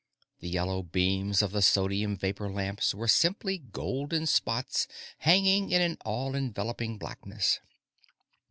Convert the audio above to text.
The yellow beams of the sodium vapor lamps were simply golden spots hanging in an all enveloping blackness.